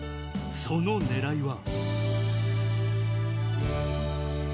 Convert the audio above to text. その狙いは？